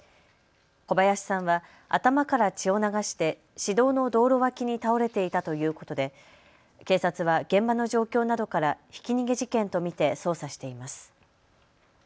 小林さんは頭から血を流して市道の道路脇に倒れていたということで警察は現場の状況などからひき逃げ事件と見て捜査しています。